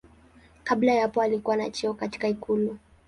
Kabla ya hapo alikuwa na cheo katika ikulu.